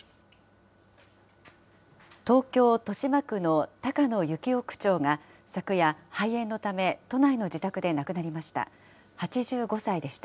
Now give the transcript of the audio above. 東京・豊島区の高野之夫区長が、昨夜、肺炎のため都内の自宅で亡くなりました。